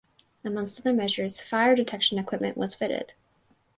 Amongst other measures fire detection equipment was fitted.